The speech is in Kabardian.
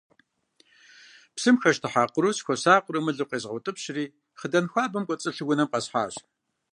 Псым хэщтыхьа кърур, сыхуэсакъыурэ мылым къезгъэутӏыпщри, хъыдан хуабэм кӏуэцӏылъу унэм къэсхьащ.